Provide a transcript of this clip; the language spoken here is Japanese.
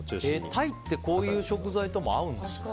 鯛ってこういう食材とも合うんですね。